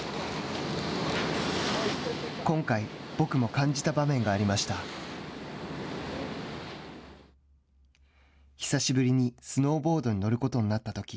今回僕も感じた場面がありました久しぶりにスノーボードに乗ることになったとき。